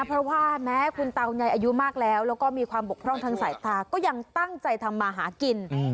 เพราะว่าแม้คุณเตายายอายุมากแล้วแล้วก็มีความบกพร่องทางสายตาก็ยังตั้งใจทำมาหากิน